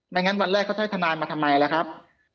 งั้นวันแรกเขาจะให้ทนายมาทำไมล่ะครับ